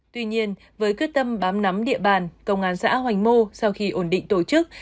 tuy nhiên với quyết tâm bám nắm địa bàn công an xã hoành mô sau khi ổn định tổ chức